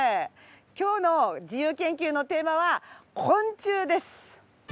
今日の自由研究のテーマは昆虫です。